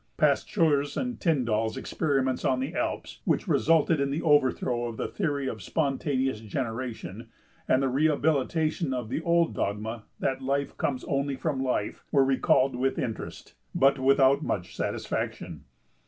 Pasteur's and Tyndall's experiments on the Alps, which resulted in the overthrow of the theory of spontaneous generation, and the rehabilitation of the old dogma that life comes only from life, were recalled with interest, but without much satisfaction.